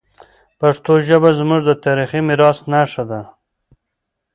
پښتو ژبه زموږ د تاریخي میراث نښه ده.